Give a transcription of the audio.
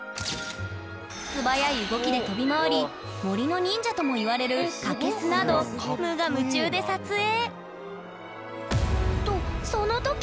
素早い動きで飛び回り「森の忍者」ともいわれるカケスなど無我夢中で撮影！